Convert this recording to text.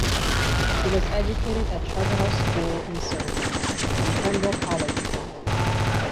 He was educated at Charterhouse School in Surrey, and Pembroke College, Cambridge.